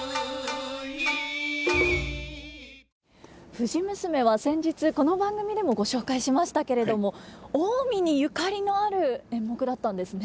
「藤娘」は先日この番組でもご紹介しましたけれども近江にゆかりのある演目だったんですね。